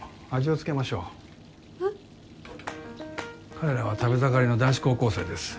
彼らは食べ盛りの男子高校生です。